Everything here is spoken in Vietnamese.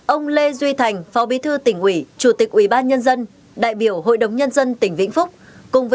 ông lê duy thành phó bí thư tỉnh ủy chủ tịch ủy ban nhân dân đại biểu hội đồng nhân dân tỉnh vĩnh phúc